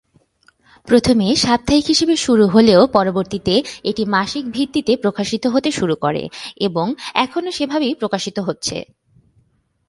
প্রথমে সাপ্তাহিক হিসেবে শুরু হলেও পরবর্তীতে এটি মাসিক ভিত্তিতে প্রকাশিত হতে শুরু করে এবং এখনও সেভাবেই প্রকাশিত হচ্ছে।